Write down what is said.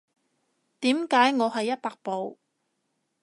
點解我係一百步